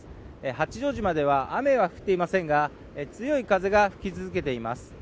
八丈島では雨は降っていませんが強い風が吹き続けています。